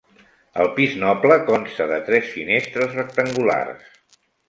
El pis noble consta de tres finestres rectangulars.